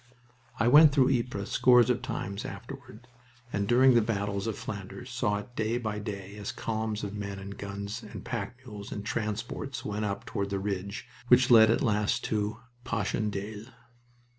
I went through Ypres scores of times afterward, and during the battles of Flanders saw it day by day as columns of men and guns and pack mules and transports went up toward the ridge which led at last to Passchendaele.